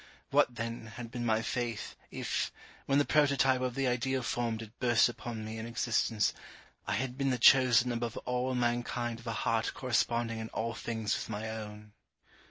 What, then, had been my faith, if, when the prototype of the ideal form did burst upon me in existence, I had been the chosen above all mankind of a heart corresponding in all things with my own.